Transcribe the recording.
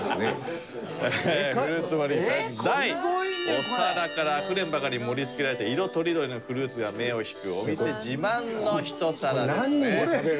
お皿からあふれんばかりに盛り付けられた色とりどりのフルーツが目を引くお店自慢の一皿ですね。